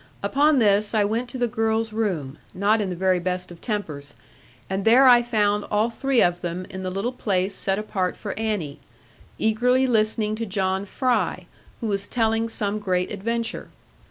Upon this, I went to the girls' room, not in the very best of tempers, and there I found all three of them in the little place set apart for Annie, eagerly listening to John Fry, who was telling some great adventure.